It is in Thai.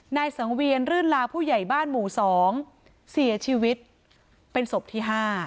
นายสังเวียนรื่นลาผู้ใหญ่บ้านหมู่๒เสียชีวิตเป็นศพที่๕